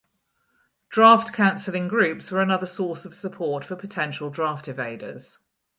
Draft counseling groups were another source of support for potential draft evaders.